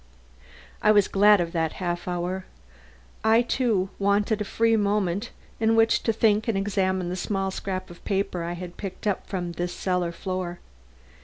I was glad of that half hour. I, too, wanted a free moment in which to think and examine the small scrap of paper I had picked up from this cellar floor.